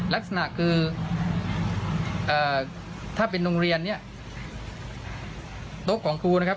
ลักษณะคือถ้าเป็นโรงเรียนเนี่ยโต๊ะของครูนะครับ